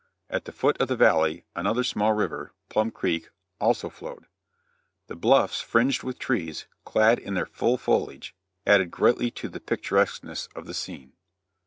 At the foot of the valley another small river Plum Creek, also flowed. The bluffs fringed with trees, clad in their full foliage, added greatly to the picturesqueness of the scene.